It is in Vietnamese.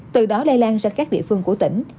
từ đó lây lan ra các địa phương của tỉnh